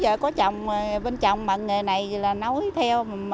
giờ có chồng bên trong mà nghề này là nói theo